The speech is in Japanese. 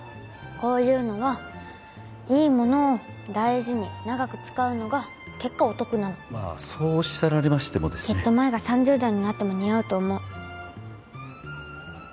こういうのはいいものを大事に長く使うのが結果お得なのまあそうおっしゃられましてもですねきっと麻衣が３０代になっても似合うと思う